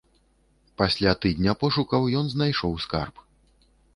Пасля тыдня пошукаў ён знайшоў скарб.